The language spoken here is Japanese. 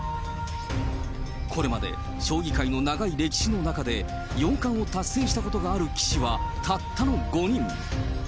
これまで、将棋界の長い歴史の中で、四冠を達成したことがある棋士はたったの５人。